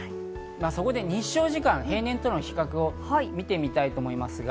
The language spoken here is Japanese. そこで日照時間、平年との比較をしたいと思います。